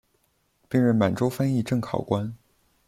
并任满洲翻译正考官。